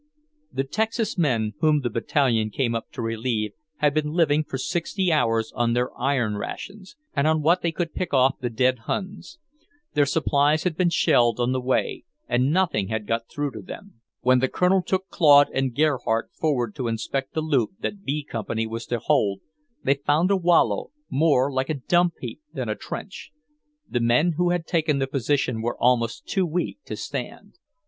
The Texas men whom the Battalion came up to relieve had been living for sixty hours on their iron rations, and on what they could pick off the dead Huns. Their supplies had been shelled on the way, and nothing had got through to them. When the Colonel took Claude and Gerhardt forward to inspect the loop that B Company was to hold, they found a wallow, more like a dump heap than a trench. The men who had taken the position were almost too weak to stand.